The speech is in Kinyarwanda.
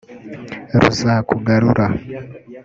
Ruzakugarura